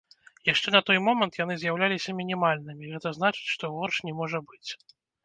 Яшчэ на той момант яны з'яўляліся мінімальнымі, гэта значыць, што горш не можа быць.